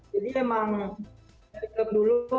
jadi memang dari kebetulan dulu